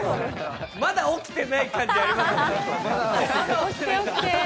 まだ起きてない感じありますね。